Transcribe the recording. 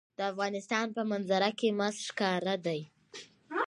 د افغانستان په منظره کې مس ښکاره ده.